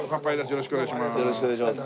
よろしくお願いします。